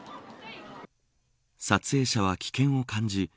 撮影者は危険を感じ